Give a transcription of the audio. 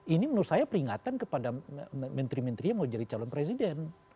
ini menurut saya peringatan kepada menteri menteri yang mau jadi calon presiden